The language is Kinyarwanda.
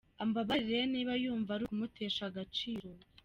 Ambabarire niba yumva ari ukumutesha agaciro.